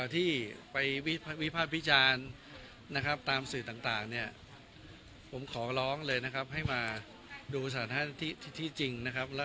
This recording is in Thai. ที่ไปวิภาพิจารณ์ตามสื่อต่างผมขอร้องเลยให้มาดูสถานที่จริง